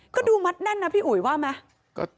ก็ดูมัดแน่นนะพี่อุ๋ยว่าไหม